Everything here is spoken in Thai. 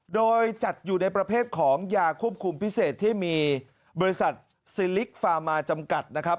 โดยจัดอยู่ในประเภทของยาควบคุมพิเศษที่มีบริษัทซิลิกฟามาจำกัดนะครับ